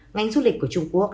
ngành du lịch của trung quốc